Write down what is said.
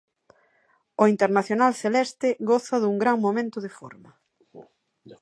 O internacional celeste goza dun gran momento de forma.